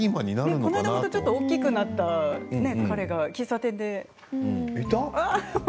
この間ちょっと大きくなった彼が喫茶店で。